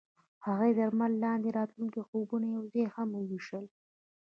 هغوی د لمر لاندې د راتلونکي خوبونه یوځای هم وویشل.